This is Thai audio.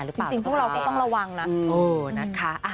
จริงพวกเราก็ต้องระวังนะ